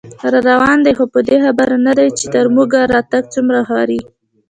راروان دی خو په دې خبر نه دی، چې تر موږه راتګ څومره خواري